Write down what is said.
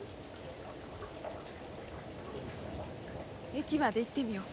駅まで行ってみよう。